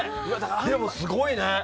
でも、すごいね。